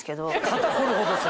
肩凝るほど。